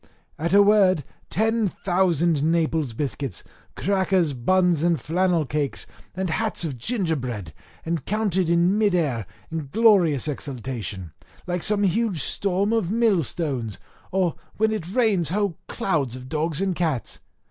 At a word, ten thousand thousand Naples biscuits, crackers, buns, and flannel cakes, and hats of gingerbread encountered in mid air in glorious exaltation, like some huge storm of mill stones, or when it rains whole clouds of dogs and cats.